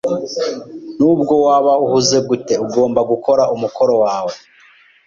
Nubwo waba uhuze gute, ugomba gukora umukoro wawe.